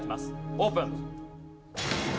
オープン。